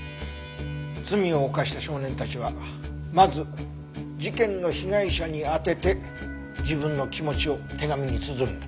罪を犯した少年たちはまず事件の被害者に宛てて自分の気持ちを手紙に綴るんだ。